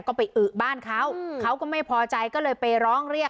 ก็ไปอึบ้านเขาเขาก็ไม่พอใจก็เลยไปร้องเรียก